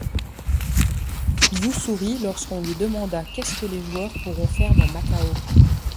Yū sourit lorsqu'on lui demanda qu'est-ce que les joueurs pourront faire dans Macao.